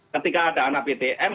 ketika ada anak ptm